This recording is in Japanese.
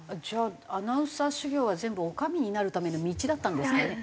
じゃあアナウンサー修業は全部女将になるための道だったんですかね？